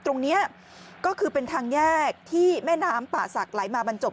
ตรงนี้ก็คือเป็นทางแยกที่แม่น้ำป่าศักดิ์ไหลมาบรรจบ